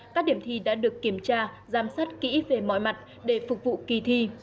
các điểm thi đã được kiểm tra giám sát kỹ về mọi mặt để phục vụ kỳ thi